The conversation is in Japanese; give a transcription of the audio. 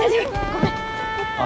ごめん。